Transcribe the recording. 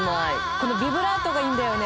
このビブラートがいいんだよね。